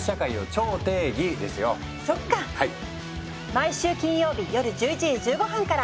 毎週金曜日夜１１時１５分から！